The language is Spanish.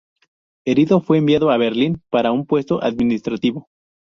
Herido, fue enviado a Berlín para un puesto administrativo.